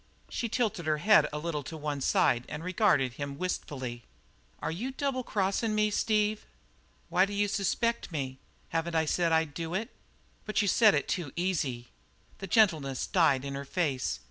She tilted her head a little to one side and regarded him wistfully. "Are you double crossin' me, Steve?" "Why d'you suspect me? Haven't I said I'd do it?" "But you said it too easy." The gentleness died in her face.